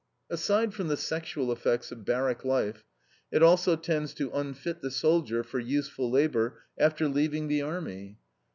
Aside from the sexual effects of barrack life, it also tends to unfit the soldier for useful labor after leaving the army.